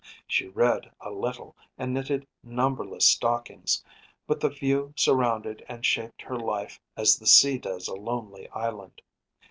She read a little, and knitted numberless stockings; but the view surrounded and shaped her life as the sea does a lonely island.